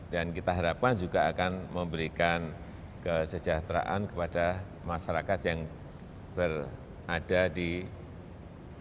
dan kita harapkan juga akan memberikan kesejahteraan kepada masyarakat yang berada di sana